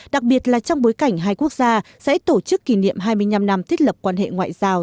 đặc biệt là trong bối cảnh hai quốc gia sẽ tổ chức kỷ niệm hai mươi năm năm thiết lập quan hệ ngoại giao